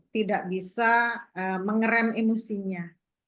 tidak bisa mengerem emosinya